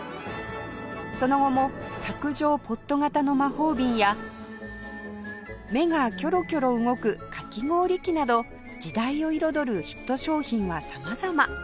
その後も卓上ポット型の魔法瓶や目がキョロキョロ動くかき氷器など時代を彩るヒット商品は様々